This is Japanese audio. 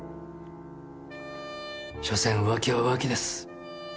しょせん浮気は浮気です。